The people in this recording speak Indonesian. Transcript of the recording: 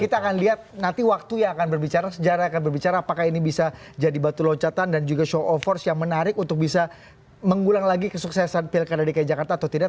kita akan lihat nanti waktu yang akan berbicara sejarah akan berbicara apakah ini bisa jadi batu loncatan dan juga show of force yang menarik untuk bisa mengulang lagi kesuksesan pilkada dki jakarta atau tidak